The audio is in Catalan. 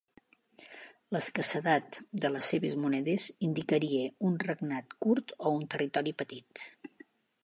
L'escassedat de les seves monedes indicaria un regnat curt o un territori petit.